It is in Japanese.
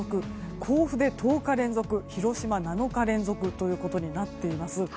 甲府で１０日連続広島、７日連続となっています。